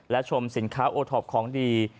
และชมสินค้าโอท็อปของดี